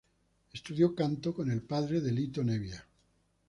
Estudió canto con el padre de Lito Nebbia.